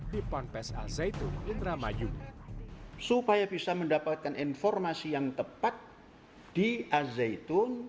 di ponpes al zaitun indramayu supaya bisa mendapatkan informasi yang tepat di al zaitun